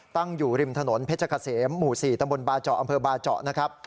ตั้งอยู่ริมถนนเพชรเกษมหมู่๔ตำบลบาเจาะอำเภอบาเจาะนะครับ